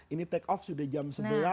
ini take off sudah jam sebelas